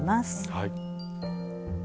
はい。